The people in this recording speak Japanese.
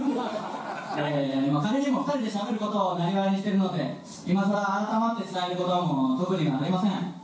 仮にも２人でしゃべることをなりわいにしているので今さら改まって伝えることも特にはありません。